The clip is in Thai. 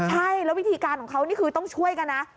ใช่แล้ววิธีการของเขานี่คือต้องช่วยกันนะ